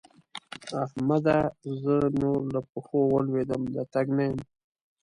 احمده! زه نور له پښو ولوېدم - د تګ نه یم.